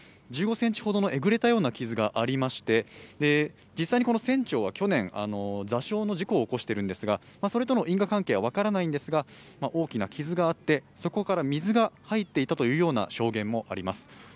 １５ｃｍほどのえぐれたような傷がありまして、実際に船長は去年、座礁の事故を起こしているんですがそれとの因果関係は分からないんですが、大きな傷があってそこから水が入っていたというような証言もあります。